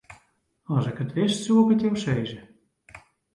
As ik it wist, soe ik it jo sizze.